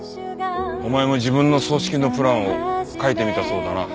お前も自分の葬式のプランを書いてみたそうだな。